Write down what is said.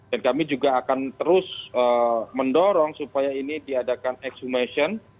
dan kami juga akan terus mendorong supaya ini diadakan exhumation